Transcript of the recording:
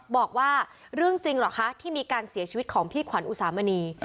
บอกว่าเรื่องจริงเหรอคะที่มีการเสียชีวิตของพี่ขวัญอุสามณี